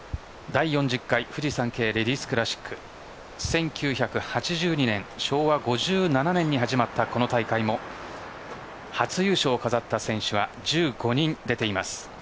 第４０回フジサンケイレディスクラシック１９８２年、昭和５７年に始まったこの大会も初優勝を飾った選手は１５人出ています。